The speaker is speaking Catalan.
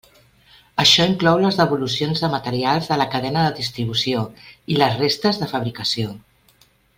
Això inclou les devolucions de materials de la cadena de distribució i les restes de fabricació.